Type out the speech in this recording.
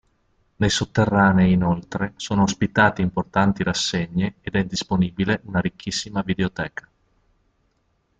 Nei sotterranei inoltre sono ospitati importanti rassegne ed è disponibile una ricchissima videoteca.